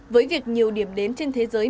với việc nhiều điểm đến trên thế giới